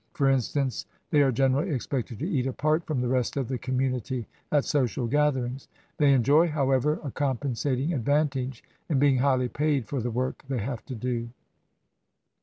For instance, they are generally expected to eat apart from the rest of the community at social gatherings. They enjoy, however, a compensating advantage in being highly paid for the work they have to do.